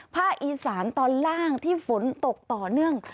ภาคอีสานตอนล่างที่ฝนตกต่อเนื่อง